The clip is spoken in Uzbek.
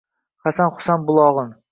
Hasan-Husan bulog‘in